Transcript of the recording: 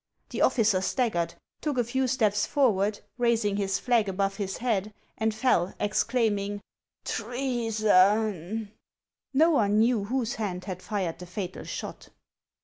The officer staggered, took a few steps forward, raising his flag above his head, and fell, exclaiming :" Treason !" No one knew whose hand had fired the fatal shot.